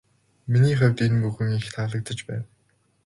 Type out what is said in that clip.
Миний хувьд энэ бүхэн их таалагдаж байна.